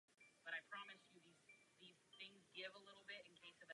Do Athén přijela výborně připravená.